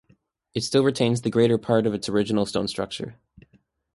It still retains the greater part of its original stone structure.